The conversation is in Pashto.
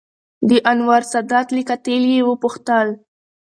دانور سادات له قاتل یې وپوښتل